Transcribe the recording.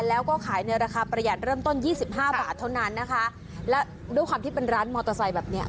แล้วก็ขายในราคาประหยัดเริ่มต้นยี่สิบห้าบาทเท่านั้นนะคะแล้วด้วยความที่เป็นร้านมอเตอร์ไซค์แบบเนี้ย